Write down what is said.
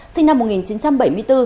sinh năm một nghìn chín trăm bảy mươi bốn